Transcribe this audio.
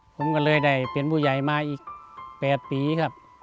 ผมก็เลยได้เป็นผู้ใหญ่มาอีก๘ปีครับ